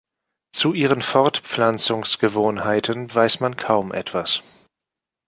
Zu ihren Fortpflanzungsgewohnheiten weiß man kaum etwas.